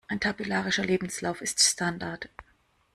Ein tabellarischer Lebenslauf ist Standard.